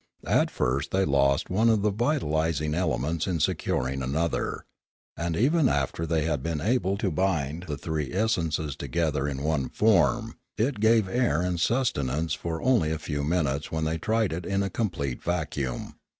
At first they lost one of the vitalising ele ments in securing another; and even after they had been able to bind the three essences together in one form, it gave air and sustenance for only a few minutes when they tried it in a complete vacuum.